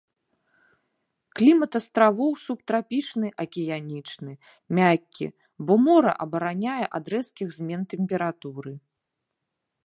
Клімат астравоў субтрапічны акіянічны, мяккі, бо мора абараняе ад рэзкіх змен тэмпературы.